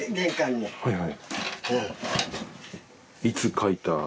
いつ描いた？